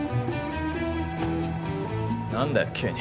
何だよ急に。